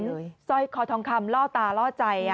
สร้อยคอทองคำล่อตาล่อใจ